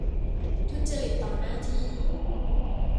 ทุจริตต่อหน้าที่